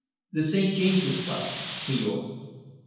"The St. James's Club," he ordered.